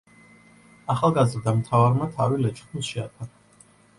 ახალგაზრდა მთავარმა თავი ლეჩხუმს შეაფარა.